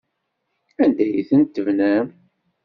Anda ay tent-tebnam?